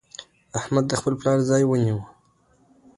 احمد د خپل پلار ځای ونيو.